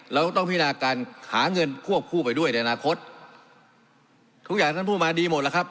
เราต้องพินาการหาเงินควบคู่ไปด้วยในอนาคตทุกอย่างท่านพูดมาดีหมดแล้วครับ